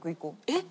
えっ！